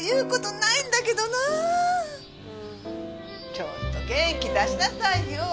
ちょっと元気出しなさいよ。